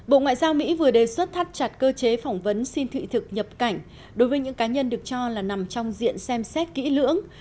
bộ ngoại giao mỹ vừa đề xuất thắt chặt cơ chế phỏng vấn xin thị thực nhập cảnh đối với những cá nhân được cho là nằm trong diện xem xét kỹ lưỡng